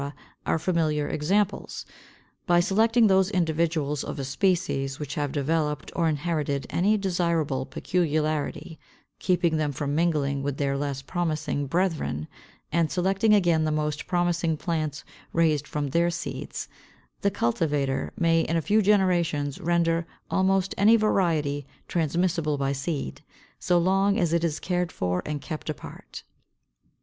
are familiar examples. By selecting those individuals of a species which have developed or inherited any desirable peculiarity, keeping them from mingling with their less promising brethren, and selecting again the most promising plants raised from their seeds, the cultivator may in a few generations render almost any variety transmissible by seed, so long as it is cared for and kept apart.